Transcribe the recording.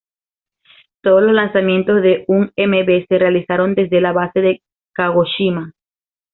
Todos los lanzamientos de un M-V se realizaron desde la base de Kagoshima.